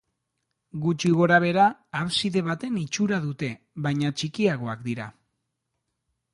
Gutxi gorabehera abside baten itxura dute baina txikiagoak dira.